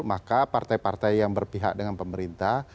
maka partai partai yang berpihak dengan pemerintah